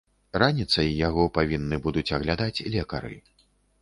Раніцай яго павінны будуць аглядаць лекары.